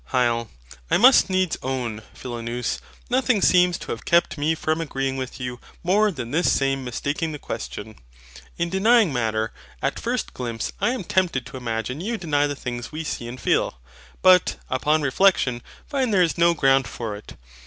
HYL. I must needs own, Philonous, nothing seems to have kept me from agreeing with you more than this same MISTAKING THE QUESTION. In denying Matter, at first glimpse I am tempted to imagine you deny the things we see and feel: but, upon reflexion, find there is no ground for it.